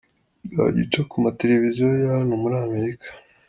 Izajya ica ku mateleviziyo ya hano muri Amerika.